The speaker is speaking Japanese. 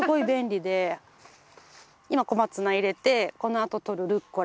今小松菜入れてこのあととるルッコラ